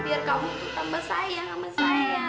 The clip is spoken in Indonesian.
biar kamu tuh tambah sayang sama saya